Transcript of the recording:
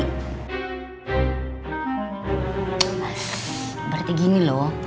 ibaratnya begini loh